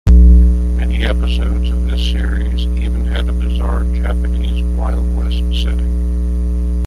Many episodes of this series even had a bizarre Japanese "wild west" setting.